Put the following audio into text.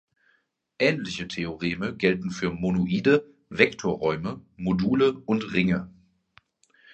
Ähnliche Theoreme gelten für Monoide, Vektorräume, Module und Ringe.